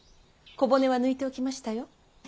小骨は抜いておきましたよ。